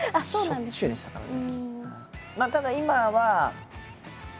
しょっちゅうでしたからね。